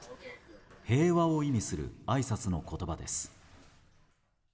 平和を意味するあいさつの言葉です。